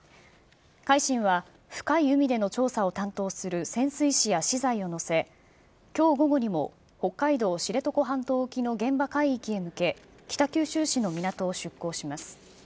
海進は深い海での調査を担当する潜水士や資材を乗せ、きょう午後にも、北海道知床半島沖の現場海域へ向け、北九州市の港を出港します。